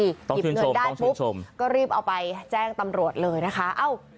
หยิบเงินได้ปุ๊บก็รีบเอาไปแจ้งตำรวจเลยนะคะ